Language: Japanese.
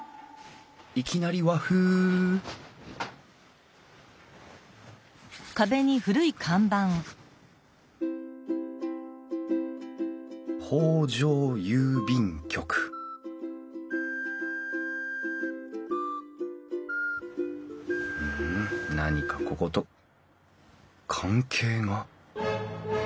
いきなり和風「北条郵便局」ふん何かここと関係が？